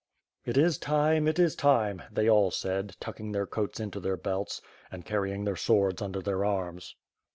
"It is time, it is time," they all said, tucking their coats into their belts, and carrying their swords under their arms.